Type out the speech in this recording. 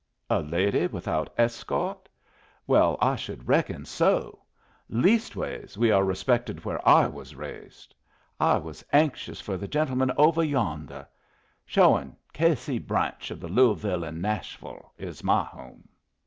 A lady without escort? Well, I should reckon so! Leastways, we are respected where I was raised. I was anxious for the gentlemen ovah yondah. Shawhan, K. C. branch of the Louavull an' Nashvull, is my home."